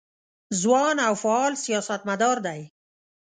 ځوان او فعال سیاستمدار دی.